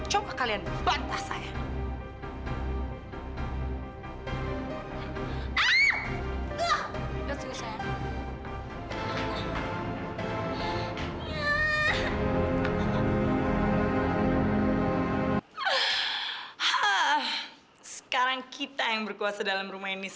lo bisa gue usir dari rumah ini